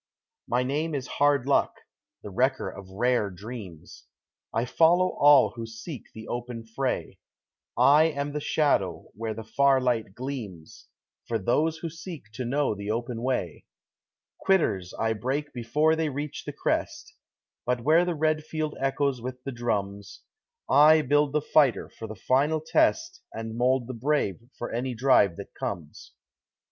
My name is Hard Luck the wrecker of rare dreams I follow all who seek the open fray; I am the shadow where the far light gleams For those who seek to know the open way; Quitters I break before they reach the crest, But where the red field echoes with the drums, I build the fighter for the final test And mold the brave for any drive that comes.